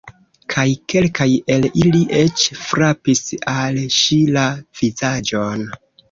Kaj kelkaj el ili eĉ frapis al ŝi la vizaĝon.